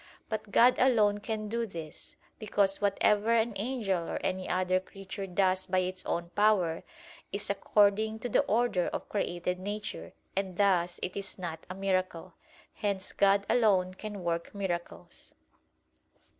But God alone can do this, because, whatever an angel or any other creature does by its own power, is according to the order of created nature; and thus it is not a miracle. Hence God alone can work miracles.